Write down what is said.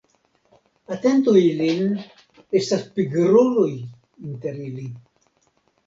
Atentu ilin; estas pigruloj inter ili.